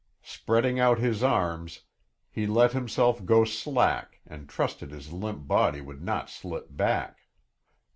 Spreading out his arms, he let himself go slack and trusted his limp body would not slip back.